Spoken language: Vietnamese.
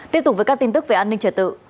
tiếp tục với các tin tức về an ninh trật tự